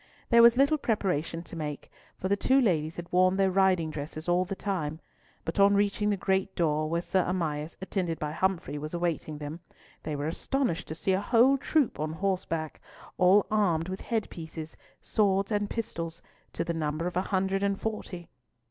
There was little preparation to make, for the two ladies had worn their riding dresses all the time; but on reaching the great door, where Sir Amias, attended by Humfrey, was awaiting them, they were astonished to see a whole troop on horseback, all armed with head pieces, swords and pistols, to the number of a hundred and forty.